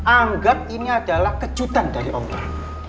anggap ini adalah kejutan dari allah